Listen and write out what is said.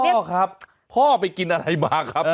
พ่อครับพ่อไปกินอะไรมาครับ